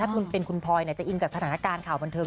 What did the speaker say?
คุณเป็นคุณพลอยจะอินจากสถานการณ์ข่าวบันเทิ